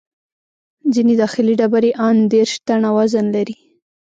ځینې داخلي ډبرې یې ان دېرش ټنه وزن لري.